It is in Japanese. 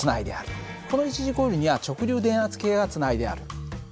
この一次コイルには直流電圧計がつないである。